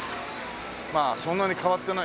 まあそんなに変わってない。